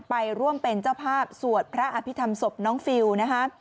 ไปร่วมเป็นเจ้าภาพสวดพระอภิษฐรรมศพน้องฟิลนะคะ